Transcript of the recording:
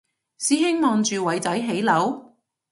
師兄望住偉仔起樓？